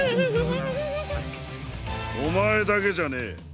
おまえだけじゃねえ。